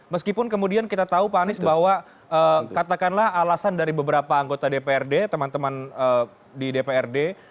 meskipun kemudian kita tahu pak anies bahwa katakanlah alasan dari beberapa anggota dprd teman teman di dprd